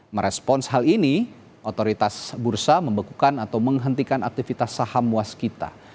merespons hal ini otoritas bursa membekukan atau menghentikan aktivitas saham waskita